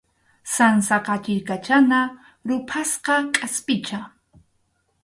Sansa qachiykachana ruphasqa kʼaspicha.